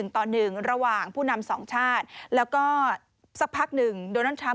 ต่อ๑ระหว่างผู้นำ๒ชาติแล้วก็สักพักหนึ่งโดนัลดทรัมป